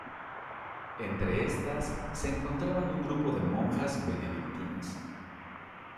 Entre estas se encontraban un grupo de monjas benedictinas.